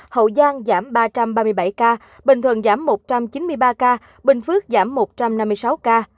hậu giang giảm ba trăm ba mươi bảy ca bình thuận giảm một trăm chín mươi ba ca bình phước giảm một trăm năm mươi sáu ca